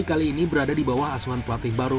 kali ini berada di bawah asuhan pelatih baru